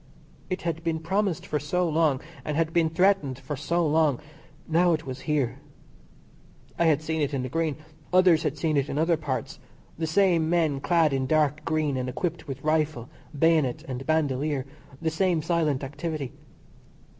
It had been promised for so long, and had been threatened for so long. Now it was here. I had seen it in the Green, others had seen it in other parts the same men clad in dark green and equipped with rifle, bayonet, and bandolier, the same silent activity.